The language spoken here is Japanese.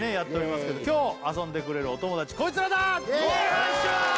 よいしょ！